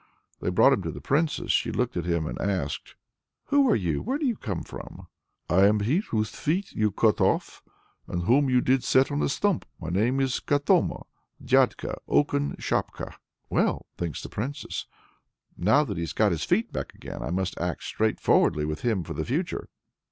They brought him to the Princess. She looked at him and asked "Who are you? Where do you come from?" "I am he whose feet you cut off and whom you set on a stump. My name is Katoma dyadka, oaken shapka." "Well," thinks the Princess, "now that he's got his feet back again, I must act straight forwardly with him for the future."